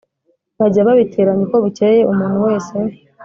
Bajya babiteranya uko bukeye umuntu wese